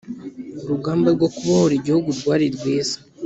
urugamba rwo kubohora igihugu rwari rwiza